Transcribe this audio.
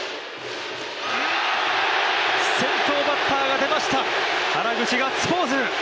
先頭バッターが出ました、原口、ガッツポーズ。